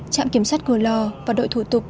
trạm kiểm soát cửa lò và đội thủ tục